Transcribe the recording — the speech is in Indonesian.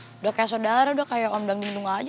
sudah seperti saudara sudah seperti orang dinding juga saja